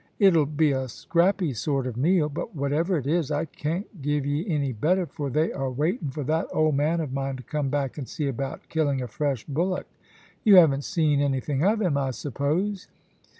It'll be a scrappy sort of meal ; but whatever it is, I can't give ye any better, for they are waiting for that old man of mine to come back and see about killing a fresh bullock. You haven't seen anything of him, I suppose.'